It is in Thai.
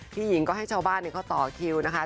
พี่หญิงก็ให้ชาวฐานหนึ่งถ่อคิวนะคะ